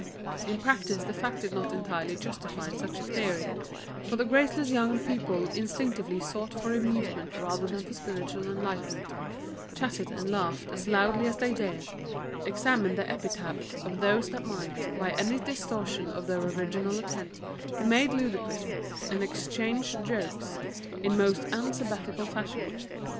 In practice the fact did not entirely justify such a theory, for the graceless young people instinctively sought for amusement rather than for spiritual enlightenment, chatted and laughed as loudly as they dared, examined the epitaphs for those that might by any distortion of their original intent be made ludicrous, and exchanged jokes in most unsabbatical fashion.